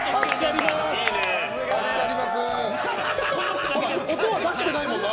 助かります！